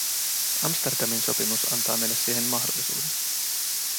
Amsterdamin sopimus antaa meille siihen mahdollisuuden.